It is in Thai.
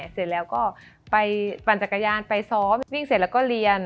เสร็จแล้วก็ไปปั่นจักรยานไปซ้อมวิ่งเสร็จแล้วก็เรียน